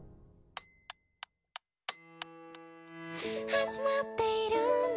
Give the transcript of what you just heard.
「始まっているんだ